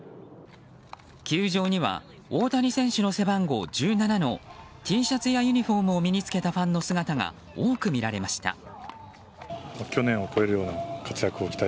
球場には大谷選手の背番号１７のＴシャツやユニホームを身に着けたファンの姿が多く見られました。